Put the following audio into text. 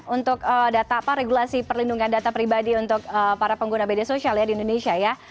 untuk regulasi perlindungan data pribadi untuk para pengguna bd sosial di indonesia ya